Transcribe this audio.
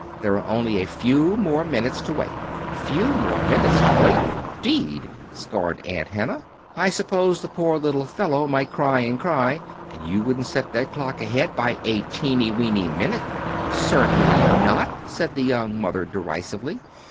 There are only a few more minutes to wait." "Few more minutes to wait, indeed!" scorned Aunt Hannah. "I suppose the poor little fellow might cry and cry, and you wouldn't set that clock ahead by a teeny weeny minute!" "Certainly not," said the young mother, decisively.